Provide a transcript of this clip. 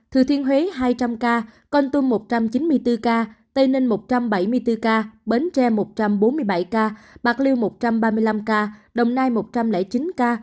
thừa thiên huế hai trăm linh ca con tum một trăm chín mươi bốn ca tây ninh một trăm bảy mươi bốn ca bến tre một trăm bốn mươi bảy ca bạc liêu một trăm ba mươi năm ca đồng nai một trăm linh chín ca